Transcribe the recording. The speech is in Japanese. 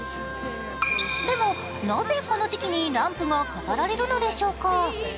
でも、なぜこの時期にランプが飾られるのでしょうか？